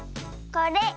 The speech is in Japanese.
これ。